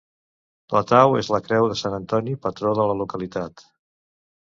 La tau és la creu de sant Antoni, patró de la localitat.